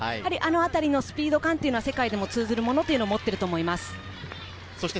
スピード感は世界に通ずるものを持っていると思います。